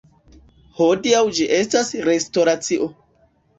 Hodiaŭ ĝi estas restoracio.